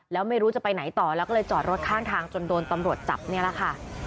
แล้วไม่รู้จะไปไหนต่อแล้วก็เลยจอดรถข้างทางจนโดนตำรวจจับนี่แหละค่ะ